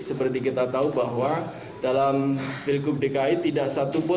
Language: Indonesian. seperti kita tahu bahwa dalam pilkub dki tidak satu pula